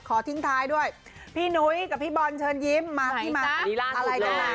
ทิ้งท้ายด้วยพี่หนุ้ยกับพี่บอลเชิญยิ้มมาพี่มาอะไรกันมา